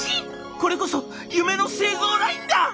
これこそ夢の製造ラインだ！」。